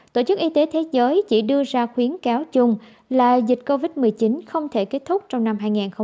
tổ chức y tế thế giới chỉ đưa ra khuyến cáo chung là dịch covid một mươi chín không thể kết thúc trong năm hai nghìn hai mươi